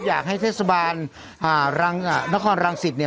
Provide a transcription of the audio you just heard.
อยากให้เทศบาลนครรังศิษย์